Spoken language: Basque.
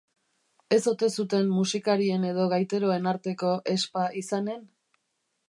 Ez ote zuten musikarien edo gaiteroen arteko espa izanen?